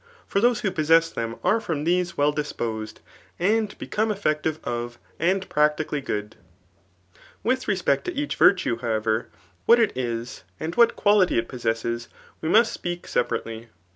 Vet diose who possess them are from these well disposed, and beccMUe effective of and practically good. With re spect to each virtue, however, what it is, and what qua Ucy it possesses, we must speak separately.